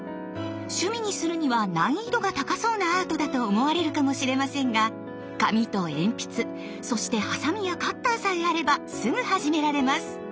趣味にするには難易度が高そうなアートだと思われるかもしれませんが紙と鉛筆そしてハサミやカッターさえあればすぐ始められます！